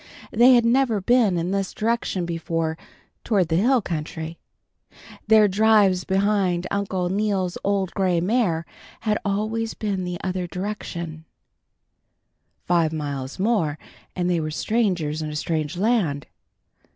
They had never been in this direction before, toward the hill country. Their drives behind Uncle Neal's old gray mare had always been the other way. Five miles more and they were strangers in a strange land.